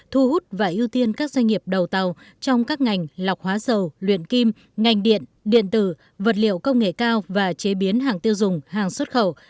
thu hút và ưu tiên các doanh nghiệp đầu tàu trong các ngành lọc hóa dầu luyện kim ngành điện điện tử vật liệu công nghệ cao và chế biến hàng tiêu dùng hàng xuất khẩu